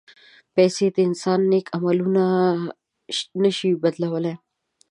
پېسې د انسان نیک عملونه نه شي بدلولی.